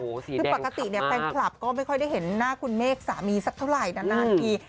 คือปกติเนี่ยแฟนคลับก็ไม่ค่อยได้เห็นหน้าคุณเมฆสามีสักเท่าไหร่นานที